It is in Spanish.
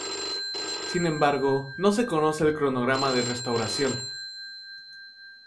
Sin embargo, no se conoce el cronograma de restauración.